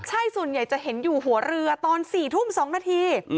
ใช่ส่วนใหญ่จะเห็นอยู่หัวเรือตอน๔ทุ่ม๒นาที